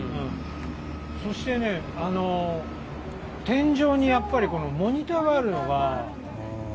そしてね、天井にやっぱりモニターがあるのが。